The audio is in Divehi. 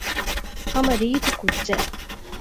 ހަމަ ރީތި ކުއްޖެއް